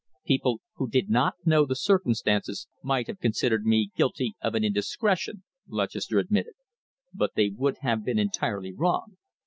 "People who did not know the circumstances might have considered me guilty of an indiscretion," Lutchester admitted, "but they would have been entirely wrong.